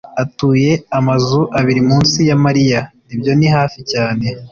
atuye amazu abiri munsi ya Mariya." "Ibyo ni hafi cyane."